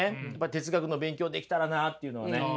哲学の勉強できたらなあっていうのはね。